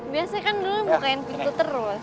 biasanya kan dulu bukain pintu terus